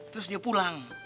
terus dia pulang